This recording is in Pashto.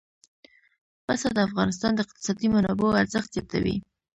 پسه د افغانستان د اقتصادي منابعو ارزښت زیاتوي.